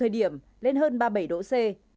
điểm lên hơn ba mươi bảy độ c